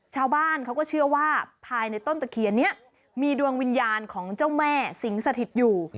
ชาวบ้านเขาก็เชื่อว่าภายในต้นตะเคียนนี้มีดวงวิญญาณของเจ้าแม่สิงสถิตอยู่